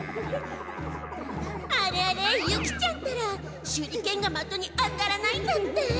あれあれユキちゃんたら手裏剣がまとに当たらないんだって。